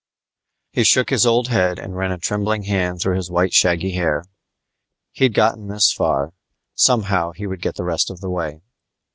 He shook his old head and ran a trembling hand through his white shaggy hair. He'd gotten this far; somehow he would get the rest of the way.